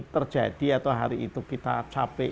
terjadi atau hari itu kita capek